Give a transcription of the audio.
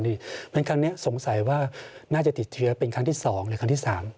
เพราะฉะนั้นครั้งนี้สงสัยว่าน่าจะติดเชื้อเป็นครั้งที่๒หรือครั้งที่๓